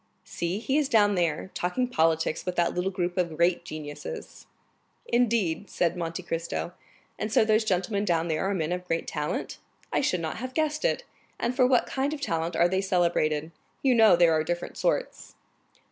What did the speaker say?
"See, he is down there, talking politics with that little group of great geniuses." "Indeed?" said Monte Cristo; "and so those gentlemen down there are men of great talent. I should not have guessed it. And for what kind of talent are they celebrated? You know there are different sorts."